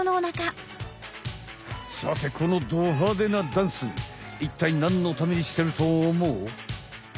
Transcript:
さてこのドはでなダンスいったいなんのためにしてると思う？